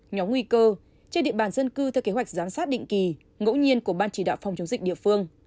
nhóm nguy cơ trên địa bàn dân cư theo kế hoạch giám sát định kỳ ngẫu nhiên của ban chỉ đạo phòng chống dịch địa phương